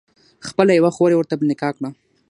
خپله یوه خور یې ورته په نکاح کړه.